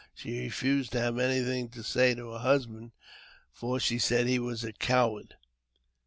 She refused to have anything to say to her husband, for she said he was a coward.